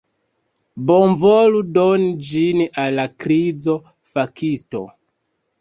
Bonvolu doni ĝin al la krizo-fakisto!